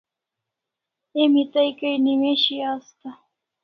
Emi tai kai newishi asta